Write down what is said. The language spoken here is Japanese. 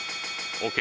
ＯＫ。